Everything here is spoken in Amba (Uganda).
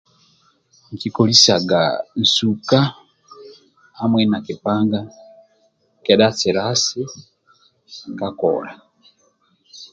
Nkikolisaga nsuka hamwi na kipanga kedha silasi ka kola.